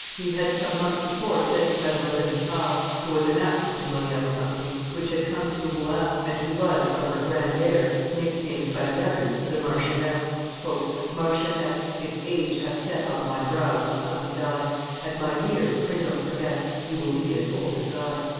He had some months before said to Mdlle. du Pare, who was an actress in Moliere's company, which had come to Rouen, and who was, from her grand airs, nicknamed by the others the Marchioness, "Marchioness," if Age hath set On my brow his ugly die; At my years, pray don't forget, You will be as old as I.